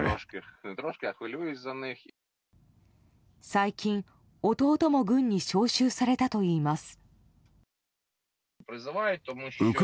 最近、弟も軍に招集されたといいます。